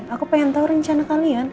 aku pengen tahu rencana kalian